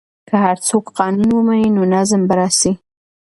که هر څوک قانون ومني نو نظم به راسي.